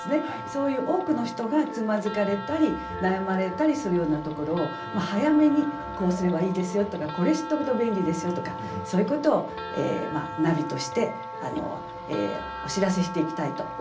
そういう多くの人がつまずかれたり悩まれたりするようなところを早めにこうすればいいですよとかこれ知っとくと便利ですよとかそういうことをナビとしてお知らせしていきたいと思っております。